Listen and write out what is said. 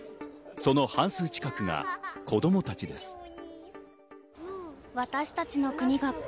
その半数近くが子供たちです。